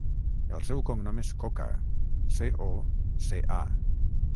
El seu cognom és Coca: ce, o, ce, a.